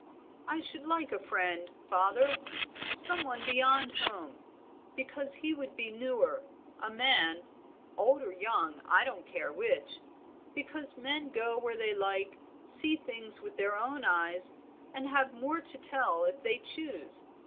I should like a friend, father; some one beyond home, because he would be newer; a man (old or young, I don't care which), because men go where they like, see things with their own eyes, and have more to tell if they choose.